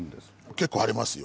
結構ありますよ。